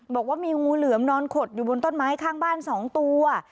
บอกว่ามีงูเหลือมนอนขดอยู่บนต้นไม้ข้างบ้าน๒ตัว